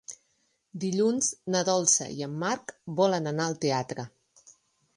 Dilluns na Dolça i en Marc volen anar al teatre.